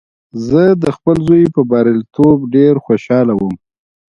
زه د خپل زوی په بریالیتوب ډېر خوشحاله وم